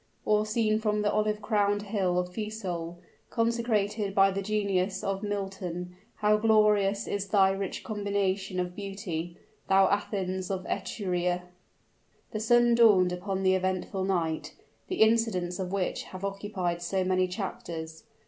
Or seen from the olive crowned hill of Fesole, consecrated by the genius of Milton, how glorious is thy rich combination of beauty, thou Athens of Etruria! The sun dawned upon the eventful night, the incidents of which have occupied so many chapters.